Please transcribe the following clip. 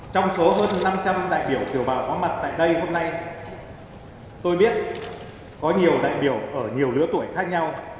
trong số hơn năm trăm linh đại biểu kiều bào có mặt tại đây hôm nay tôi biết có nhiều đại biểu ở nhiều lứa tuổi khác nhau